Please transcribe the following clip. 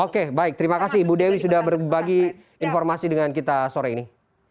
oke baik terima kasih ibu dewi sudah berbagi informasi dengan kita sore ini